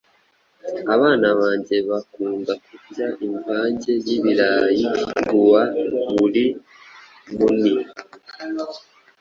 Abana banjye bakunda kurya imvanjye yibirayi gua buri muni